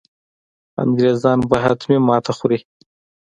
انګرېزان به حتمي ماته خوري.